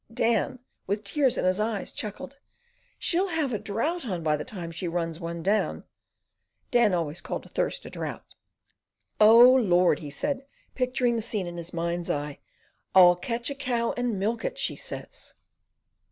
Dan, with tears in his eyes, chuckled: "She'll have a drouth on by the time she runs one down." Dan always called a thirst a drouth. "Oh Lord!" he said, picturing the scene in his mind's eye, "'I'll catch a cow and milk it,' she says."